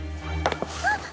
あっ！